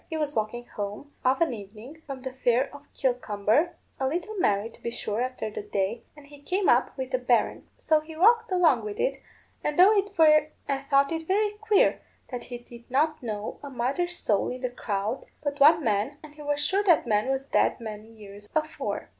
He was walking home, of an evening, from the fair of Kilcumber, a little merry, to be sure, after the day, and he came up with a berrin. So he walked along with it, and thought it very queer that he did not know a mother's soul in the crowd but one man, and he was sure that man was dead many years afore.